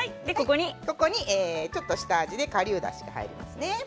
ここに下味でかりゅうだしが入ります。